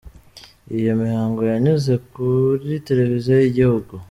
Iyo mihango yanyuze kuri televiziyo y'igihugu.